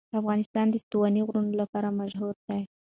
افغانستان د ستوني غرونه لپاره مشهور دی.